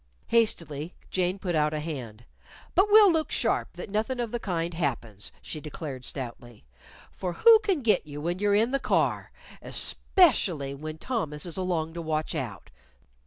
Hastily Jane put out a hand. "But we'll look sharp that nothin' of the kind happens," she declared stoutly; "for who can git you when you're in the car especially when Thomas is along to watch out.